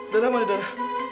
darah apa di darah